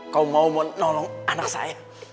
kau mau menolong anak saya